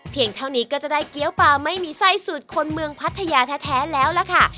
เท่านี้ก็จะได้เกี้ยวปลาไม่มีไส้สูตรคนเมืองพัทยาแท้แล้วล่ะค่ะ